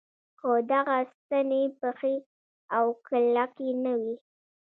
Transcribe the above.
که دغه ستنې پخې او کلکې نه وي.